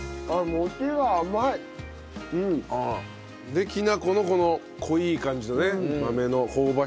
できなこのこの濃い感じのね豆の香ばしさと合う。